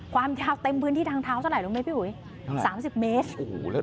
ความยาวเต็มพื้นที่ทางเท้าสลายลงไป๓๐เมตร